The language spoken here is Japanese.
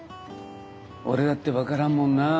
俺だって分からんもんなあ。